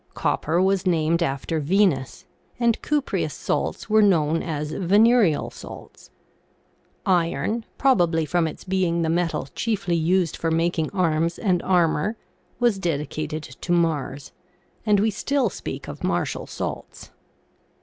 Copper was named after Venus, and cupreous salts were known as venereal salts. Iron, probably from its being the metal chiefly used for making arms and armor, was dedicated to Mars, and we still speak of martial salts.